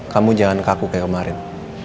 kamu jalan kaku kayak kemarin